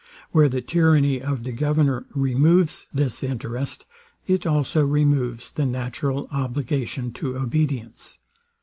Where the tyranny of the governor removes this interest, it also removes the natural obligation to obedience.